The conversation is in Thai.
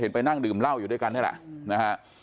ไปนั่งดื่มเหล้าอยู่ด้วยกันนี่แหละนะฮะ